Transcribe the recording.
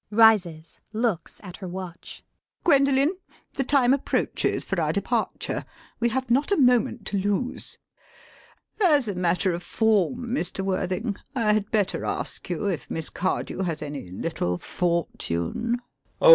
[Rises, looks at her watch.] Gwendolen! the time approaches for our departure. We have not a moment to lose. As a matter of form, Mr. Worthing, I had better ask you if Miss Cardew has any little fortune? JACK. Oh!